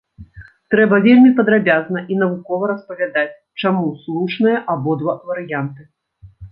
Трэба вельмі падрабязна і навукова распавядаць, чаму слушныя абодва варыянты.